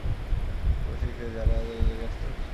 তোমরাই সেই শিক্ষার্থী যারা আজ এই জায়গায় আসতে পেরেছো।